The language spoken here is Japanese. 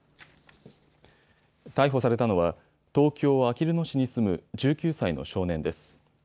逮捕されたのは東京あきる野市に住む１９歳の少年です。